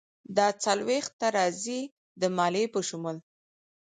دا څلویښت ته راځي، د مالیې په شمول.